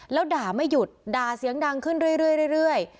แล้วด่าไม่หยุดด่าเสียงดังขึ้นเรื่อย